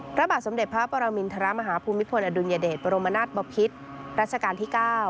พระบาทสมเด็จพระปรมินทรมาฮภูมิพลอดุลยเดชบรมนาศบพิษรัชกาลที่๙